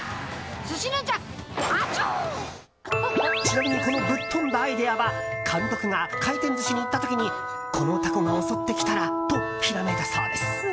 ちなみにこのぶっ飛んだアイデアは監督が回転寿司に行った時にこのタコが襲ってきたらとひらめいたそうです。